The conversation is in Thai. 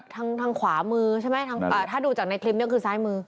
ทางขวามือใช่ไหมถ้าดูจากในคลิปนี้คือซ้ายมือ